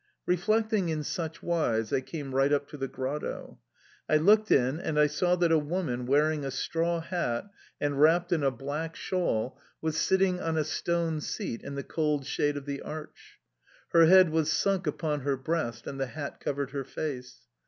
Reflecting in such wise I came right up to the grotto. I looked in and I saw that a woman, wearing a straw hat and wrapped in a black shawl, was sitting on a stone seat in the cold shade of the arch. Her head was sunk upon her breast, and the hat covered her face.